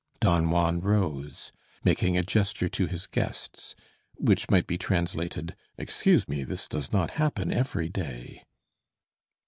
Don Juan rose, making a gesture to his guests, which might be translated: "Excuse me, this does not happen every day."